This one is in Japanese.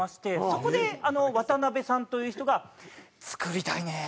そこでワタナベさんという人が「作りたいねえ」。